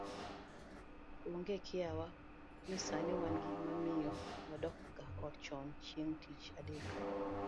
Onge kiawa ni sani wan gi mamiyo wadokga ot chon chieng' tich adek